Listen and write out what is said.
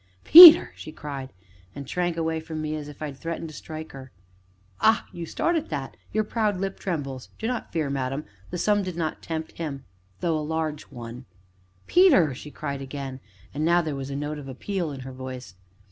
"Peter!" she cried, and shrank away from me as if I had threatened to strike her. "Ah! you start at that your proud lip trembles do not fear, madam the sum did not tempt him though a large one." "Peter!" she cried again, and now there was a note of appeal in her voice.